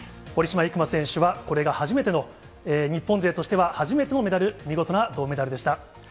堀島行真選手はこれが初めての、日本勢としては初めてのメダル、見事な銅メダルでした。